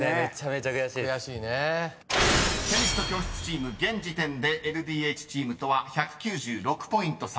［女神の教室チーム現時点でＬＤＨチームとは１９６ポイント差］